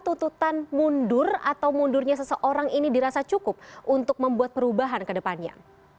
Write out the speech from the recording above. tuntutan mundur atau mundurnya seseorang ini dirasa cukup untuk membuat perubahan ke depannya